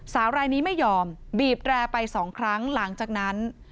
สาวรายนี้ไม่ยอมบีบแร่ไปสองครั้งหลังจากนั้น